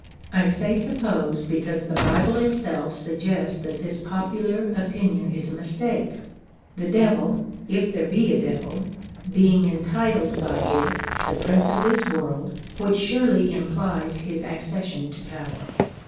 I say "supposed," because the Bible itself suggests that this popular opinion is a mistake, the Devil (if there be a Devil) being entitled by it the prince of this world, which surely implies his accession to power.